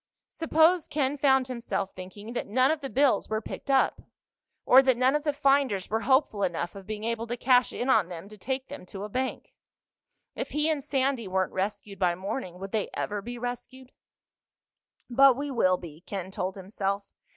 Suppose, Ken found himself thinking, that none of the bills were picked up? Or that none of the finders were hopeful enough of being able to cash in on them to take them to a bank? If he and Sandy weren't rescued by morning, would they ever be rescued? But we will be, Ken told himself.